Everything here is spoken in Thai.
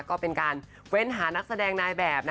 ก็เป็นการเว้นหานักแสดงนายแบบ